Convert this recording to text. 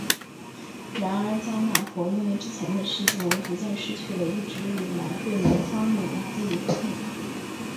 然而迦纳国因为之前的事件而逐渐失去了其一直以来对南方领的控制。